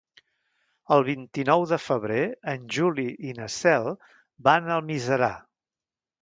El vint-i-nou de febrer en Juli i na Cel van a Almiserà.